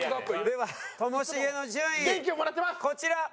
ではともしげの順位こちら。